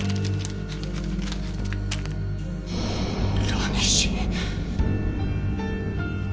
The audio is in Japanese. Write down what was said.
ラニシン？